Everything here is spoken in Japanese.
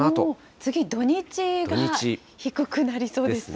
次、土日が低くなりそうですね。ですね。